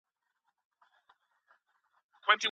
ولي د ښه ژوند د لرلو لپاره فزیکي او رواني روغتیا مهمه ده؟